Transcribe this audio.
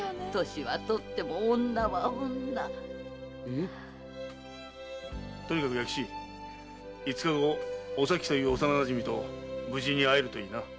年は取っても女は女ん⁉とにかく弥吉五日後お咲という幼なじみと無事に会えるといいな。